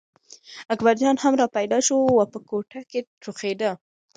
اکبرجان هم را پیدا شوی و په کوټه کې ټوخېده.